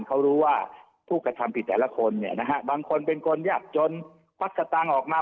เขารู้ว่าผู้กระทำผิดแต่ละคนเนี่ยนะฮะบางคนเป็นคนยากจนควักสตางค์ออกมา